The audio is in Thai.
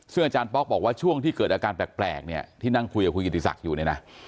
ซึ่งอาจารย์ป๊อกบอกว่าช่วงที่เกิดอาการแปลกเนี่ยที่นั่งคุยกับคุณกิติศักดิ์อยู่เนี่ยนะ